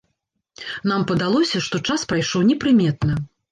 Нам падалося, што час прайшоў непрыметна.